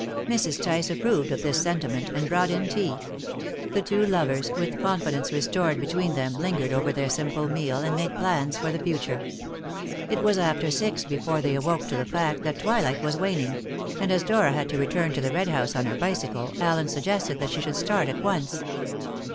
Mrs. Tice approved of this sentiment, and brought in tea. The two lovers, with confidence restored between them, lingered over their simple meal, and made plans for the future. It was after six before they awoke to the fact that twilight was waning; and as Dora had to return to the Red House on her bicycle, Allen suggested that she should start at once.